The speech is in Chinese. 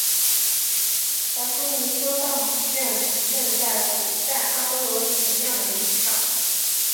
达夫尼修道院建在古代阿波罗神庙的遗址之上。